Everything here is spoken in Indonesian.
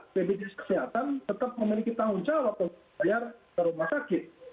bpjs kesehatan tetap memiliki tanggung jawab untuk membayar ke rumah sakit